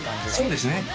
そうですね。